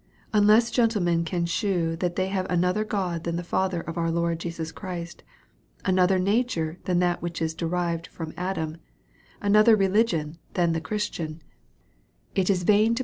Unless gentlemen can shew that they have another God tiian the Father of our Lord Jesus Christ ; ano ther nature than that which is derived from Adam ; another religion than the Christian, it is in vain to DEVOUT AND HOLY LIFE.